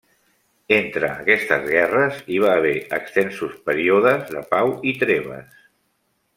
Entre aquestes guerres hi va haver extensos períodes de pau i treves.